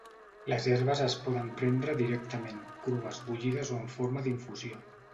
Les herbes es poden prendre directament, crues, bullides o en forma d'infusió.